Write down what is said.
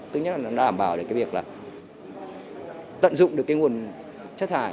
thứ nhất là nó đảm bảo được cái việc là tận dụng được cái nguồn chất hải